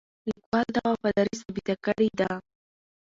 لیکوال دا وفاداري ثابته کړې ده.